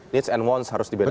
needs and wans harus dibedakan